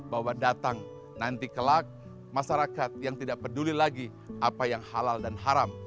bahwa datang nanti kelak masyarakat yang tidak peduli lagi apa yang halal dan haram